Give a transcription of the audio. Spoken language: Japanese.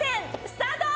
スタート！